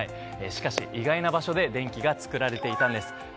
しかし、意外な場所で電気が作られていたんです。